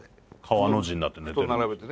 川の字になって寝て。